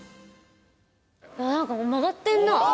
なんか曲がってんな。